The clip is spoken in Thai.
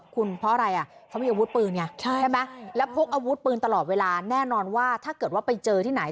คุณเพราะอะไรอ่ะเขามีอาวุธปืนไงใช่ไหมแล้วพกอาวุธปืนตลอดเวลาแน่นอนว่าถ้าเกิดว่าไปเจอที่ไหน